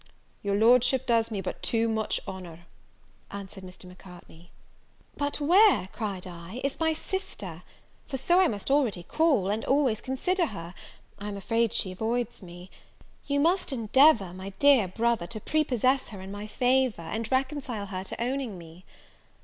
"Your Lordship does me but too much honour," answered Mr. Macartney. "But where," cried I, "is my sister? for so I must already call, and always consider her: I am afraid she avoids me; you must endeavour, my dear brother, to prepossess her in my favour, and reconcile her to owning me."